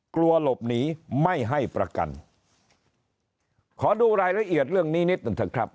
กลัวหลบหนีไม่ให้ประกันขอดูรายละเอียดเรื่องนี้นิดหนึ่งเถอะครับ